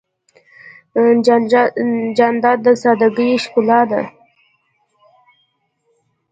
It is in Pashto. جانداد د سادګۍ ښکلا ده.